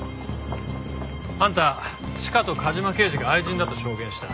あんたチカと梶間刑事が愛人だと証言した。